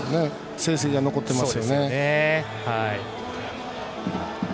成績が残っていますよね。